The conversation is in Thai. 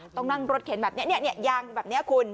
ต้องนั่งรถเข็นแบบนี้ยางแบบนี้คุณ